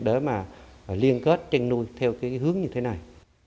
để mà liên kết chăn nuôi theo cái hướng như thế này